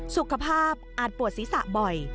สุขภาพอาจปวดศีรษะบ่อย